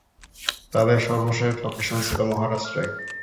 তাদের সর্বশেষ লোকেশান ছিল মহারাষ্ট্রে।